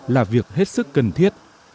là việc hết sức cần thiết